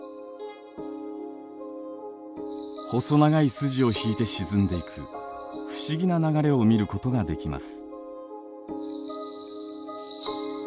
細長い筋を引いて沈んでいく不思議な流れを見ることができます。